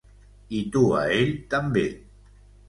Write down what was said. I tu a ell també.